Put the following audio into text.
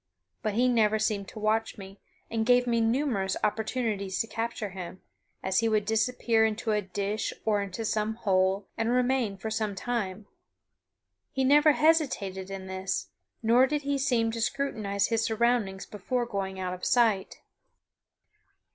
But he never seemed to watch me; and gave me numerous opportunities to capture him, as he would disappear in a dish or in some hole, and remain for some time. He never hesitated in this, nor did he seem to scrutinize his surroundings before going out of sight.